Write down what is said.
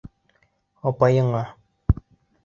Апайыңа...